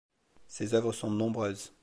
Ses œuvres sont nombreuses.